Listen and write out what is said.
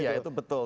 iya itu betul